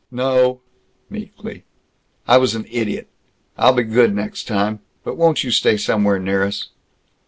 "No," meekly. "I was an idiot. I'll be good, next time. But won't you stay somewhere near us?"